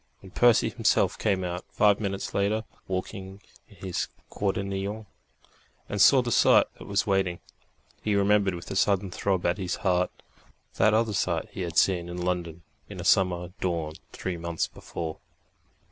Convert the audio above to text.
When Percy himself came out, five minutes later, walking in his quaternion, and saw the sight that was waiting, he remembered with a sudden throb at his heart that other sight he had seen in London in a summer dawn three months before....